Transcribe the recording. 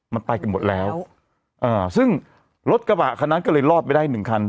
มันไปกันหมดแล้วอ่าซึ่งรถกระบะคันนั้นก็เลยรอดไปได้หนึ่งคัน